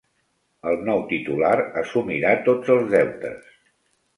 El nou titular assumirà tots els deutes.